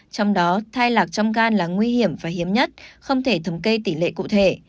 trong đó thai lạc trong gan là nguy hiểm và hiếm nhất không thể thống kê tỷ lệ cụ thể